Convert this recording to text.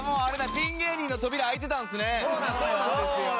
ピン芸人の扉開いてたんですね。